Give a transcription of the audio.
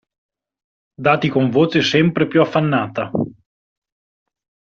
Dati con voce sempre più affannata.